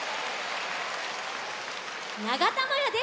ながたまやです。